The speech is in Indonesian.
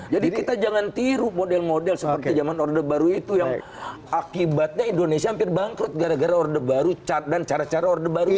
kita jangan tiru model model seperti zaman order baru itu yang akibatnya indonesia hampir bangkrut gara gara orde baru dan cara cara orde baru